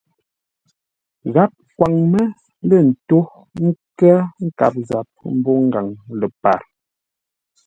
Gháp kwaŋ mə́ lə̂ ntó ńkə́ nkâp zap mbô ngaŋ ləpar.